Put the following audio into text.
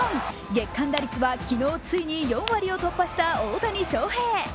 月間打率は昨日ついに４割を突破した大谷翔平。